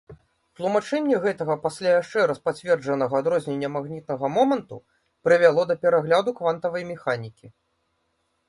Тлумачэнне гэтага, пасля яшчэ раз пацверджанага, адрознення магнітнага моманту прывяло да перагляду квантавай механікі.